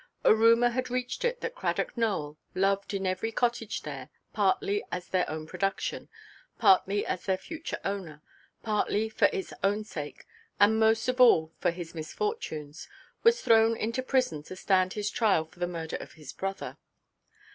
A rumour had reached it that Cradock Nowell, loved in every cottage there, partly as their own production, partly as their future owner, partly for his own sake, and most of all for his misfortunes, was thrown into prison to stand his trial for the murder of his brother.